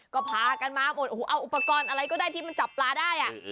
ก็พากันมาหมดโอ้โหเอาอุปกรณ์อะไรก็ได้ที่มันจับปลาได้